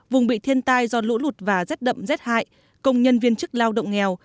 vùng bị thiên tai do lũ lụt và rét đậm rét hại công nhân viên chức lao động nghèo